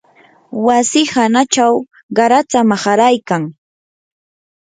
wasi hanachaw qaratsa maharaykan